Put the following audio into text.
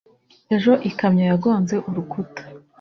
ejo ikamyo yagonze urukuta